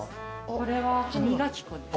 これは歯磨き粉です。